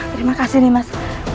terima kasih nimas